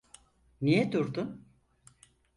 Niye durdun?